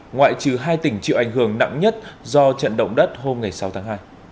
ngoại trừ hai tỉnh chịu ảnh hưởng nặng nhất do trận động đất hôm sáu tháng hai